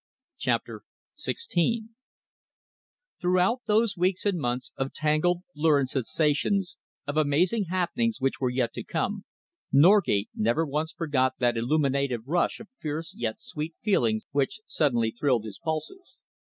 CHAPTER XVI Throughout those weeks and months of tangled, lurid sensations, of amazing happenings which were yet to come, Norgate never once forgot that illuminative rush of fierce yet sweet feelings which suddenly thrilled his pulses.